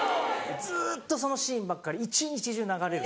・ずっとそのシーンばっかり一日中流れる。